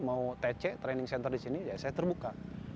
mau tc di training center di sini saya terbuka